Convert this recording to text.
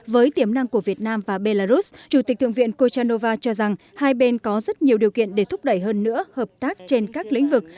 với tiềm năng của việt nam và belarus chủ tịch thượng viện kochanova cho rằng hai bên có rất nhiều điều kiện để thúc đẩy hơn nữa hợp tác trên các lĩnh vực